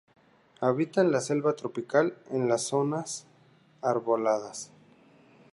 Habita en la selva tropical, en zonas arboladas.